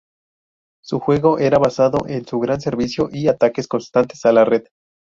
Su juego era basado en su gran servicio y ataques constantes a la red.